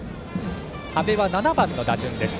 阿部は７番の打順です。